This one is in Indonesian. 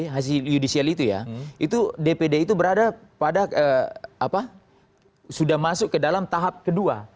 hasil judicial itu ya itu dpd itu berada pada sudah masuk ke dalam tahap kedua